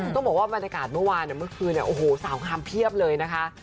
ต้องบอกว่าบรรยากาศเมื่อวานเมื่อคืนเนี่ยโอ้โหสาวงามเพียบเลยนะคะ